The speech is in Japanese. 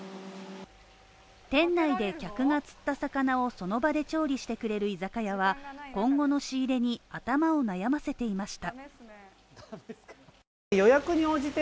店内で客が釣った魚をその場で調理してくれる居酒屋は今後の仕入れに頭を悩ませていました。